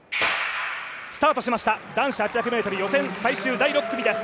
スタートしました、男子８００ｍ予選、最終第６組です。